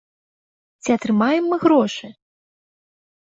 Ці атрымаем мы грошы?